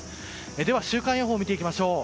では週間予報を見ていきましょう。